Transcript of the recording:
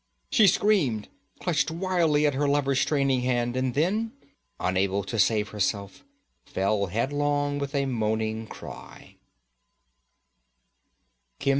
She screamed, clutched wildly at her lover's straining hand, and then, unable to save herself, fell headlong with a moaning cry.